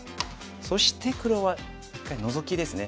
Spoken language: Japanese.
そして黒は一回ノゾキですね。